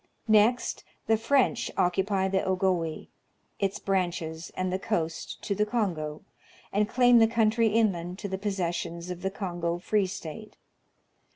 Next, the French occupy the Ogowe, its branches, and the coast, to the Kongo, and claim the country inland to the posses sions of the Kongo Free State.